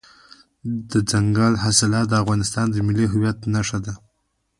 دځنګل حاصلات د افغانستان د ملي هویت نښه ده.